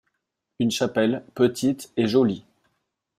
Une chapelle, petite et jolie.